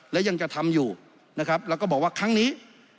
และยังจะทำอยู่นะครับแล้วก็บอกว่าครั้งนี้